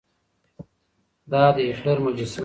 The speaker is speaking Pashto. دا د هېټلر مجسمه ده.